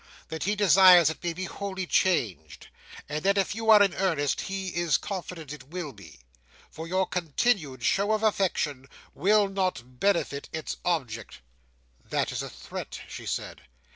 That he desires it may be wholly changed; and that if you are in earnest, he is confident it will be; for your continued show of affection will not benefit its object." "That is a threat," she said.